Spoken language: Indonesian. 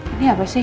ini apa sih